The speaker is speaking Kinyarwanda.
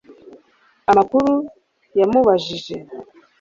Amakuru yamubabaje